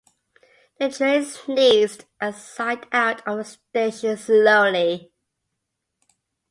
The train sneezed and sighed out of the station slowly.